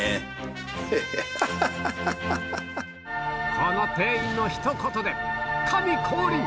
この店員のひと言で神降臨！